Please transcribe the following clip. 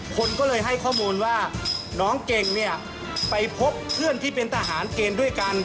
คนก็เลยให้ข้อมูลว่าน้องเก่งเนี่ยไปพบเพื่อนที่เป็นทหารเกณฑ์ด้วยกัน